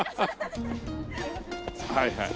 はいはい。